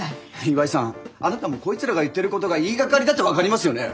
岩井さんあなたもこいつらが言ってることが言いがかりだって分かりますよね？